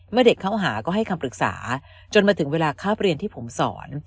เด็กเข้าหาก็ให้คำปรึกษาจนมาถึงเวลาคาบเรียนที่ผมสอน